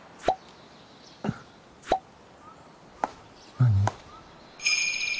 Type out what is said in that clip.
何？